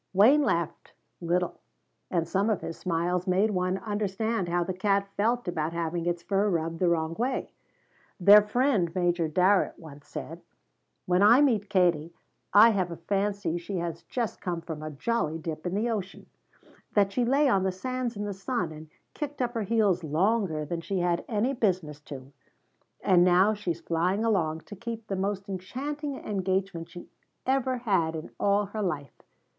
Wayne laughed little and some of his smiles made one understand how the cat felt about having its fur rubbed the wrong way. Their friend Major Darrett once said: "When I meet Katie I have a fancy she has just come from a jolly dip in the ocean; that she lay on the sands in the sun and kicked up her heels longer than she had any business to, and now she's flying along to keep the most enchanting engagement she ever had in all her life.